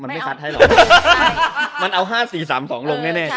มันไม่คัตให้หรอ